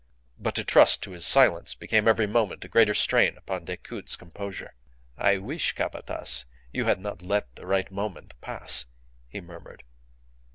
But to trust to his silence became every moment a greater strain upon Decoud's composure. "I wish, Capataz, you had not let the right moment pass," he murmured.